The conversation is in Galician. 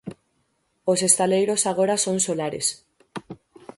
Os estaleiros agora son solares.